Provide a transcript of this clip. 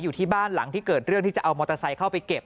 อยู่ที่บ้านหลังที่เกิดเรื่องที่จะเอามอเตอร์ไซค์เข้าไปเก็บ